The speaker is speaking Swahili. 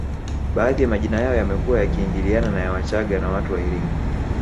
Baadhi ya majina yao yamekuwa yakiingiliana na ya wachaga na watu wa iringa